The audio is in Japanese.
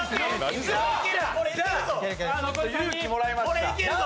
これいけるぞ！